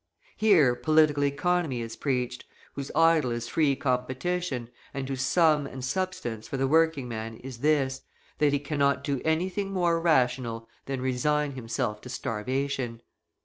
Here Political Economy is preached, whose idol is free competition, and whose sum and substance for the working man is this, that he cannot do anything more rational than resign himself to starvation.